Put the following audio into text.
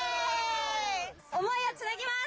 思いはつなぎます。